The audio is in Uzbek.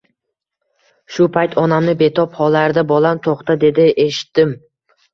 Shu payt onamni betob hollarida bolam toʻxta dedi, eshitdim